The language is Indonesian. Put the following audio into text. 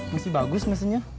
masih bagus mesennya